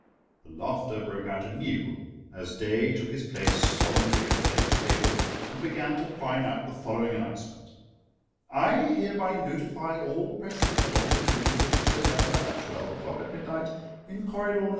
The laughter broke out anew as Daae took his place solemnly at the head of the table and began to whine out the following announcement: "I hereby notify all present that on the 25th of November, at twelve o'clock at midnight, in corridor No.